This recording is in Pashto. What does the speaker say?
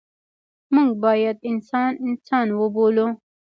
موږ باید انسان انسان وبولو.